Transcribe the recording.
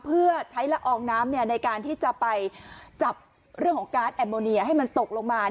เพื่อใช้ละอองน้ำในการที่จะไปจับเรื่องของการ์ดแอมโมเนียให้มันตกลงมา